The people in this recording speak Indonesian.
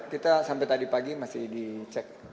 kita sampai tadi pagi masih dicek